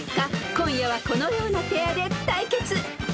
今夜はこのようなペアで対決］